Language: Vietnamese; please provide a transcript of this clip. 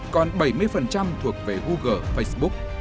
còn bảy mươi thuộc về google facebook